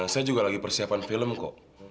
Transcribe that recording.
saya juga lagi persiapan film kok